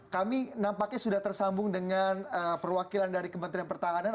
kami nampaknya sudah tersambung dengan perwakilan dari kementerian pertahanan